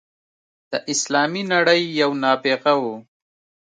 د اسلامي نړۍ یو نابغه وو.